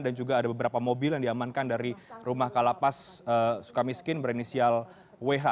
dan juga ada beberapa mobil yang diamankan dari rumah kalapas suka miskin berinisial wh